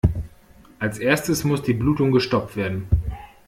Als Erstes muss die Blutung gestoppt werden.